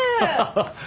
ハハハ！